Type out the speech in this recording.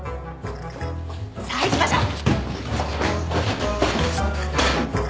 さあ行きましょう！